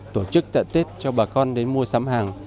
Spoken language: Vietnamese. tổ chức tận tết cho bà con đến mua sắm hàng